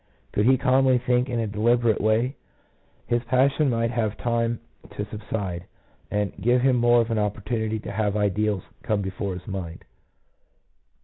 Could he calmly think in a deliberate way, his passion might have time to subside, and give him more of an opportunity to have ideals come before his mind.